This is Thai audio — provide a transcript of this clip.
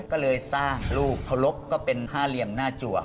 ก็เลยสร้างลูกเคารพก็เป็นห้าเหลี่ยมหน้าจวบ